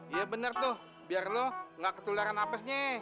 iya bener tuh biar lo gak ketularan nafasnya